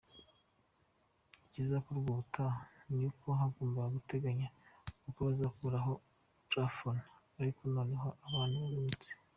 Ikizakorwa ubutaha ni uko bagombaga guteganya uko bazakuraho plafon ariko noneho abantu bimutse.